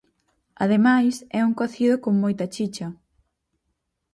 Ademais, é un cocido con moita chicha.